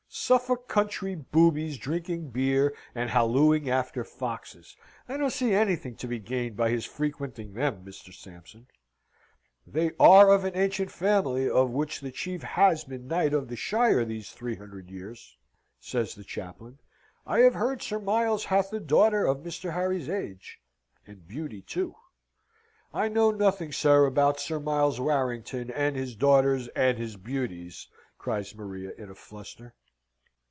"Suffolk country boobies drinking beer and hallooing after foxes! I don't see anything to be gained by his frequenting them, Mr. Sampson!" "They are of an ancient family, of which the chief has been knight of the shire these hundred years," says the chaplain. "I have heard Sir Miles hath a daughter of Mr. Harry's age and beauty, too." "I know nothing, sir, about Sir Miles Warrington, and his daughters, and his beauties!" cries Maria, in a fluster.